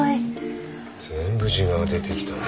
全部字が出てきたね。